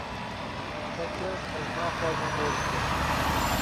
Tekez ez naxwazim vê bikim